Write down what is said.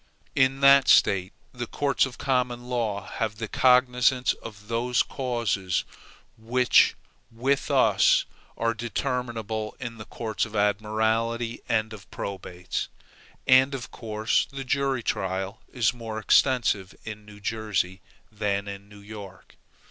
In that State the courts of common law have the cognizance of those causes which with us are determinable in the courts of admiralty and of probates, and of course the jury trial is more extensive in New Jersey than in New York.